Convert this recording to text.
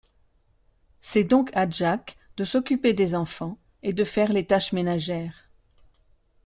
C'est donc à Jack de s'occuper des enfants et de faire les tâches ménagères.